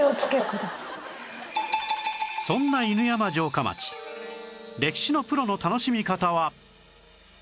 そんな犬山城下町歴史のプロの楽しみ方は